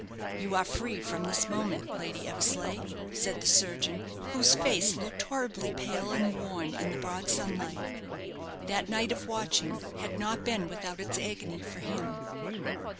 "You are free from this moment, Lady Eversleigh," said the surgeon, whose face looked horribly pale and worn in the broad sunlight. That night of watching had not been without its agony for him.